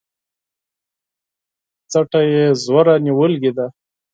څټه يې ژوره نيولې ده